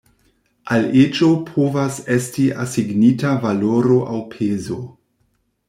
Al eĝo povas esti asignita valoro aŭ pezo.